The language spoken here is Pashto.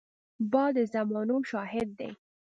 باد د زمانو شاهد دی